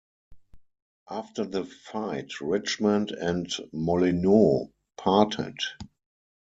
After the fight Richmond and Molineaux parted.